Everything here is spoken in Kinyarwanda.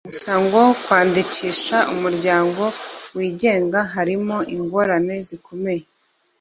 Gusa ngo kwandikisha umuryango wigenga harimo ingorane zikomeye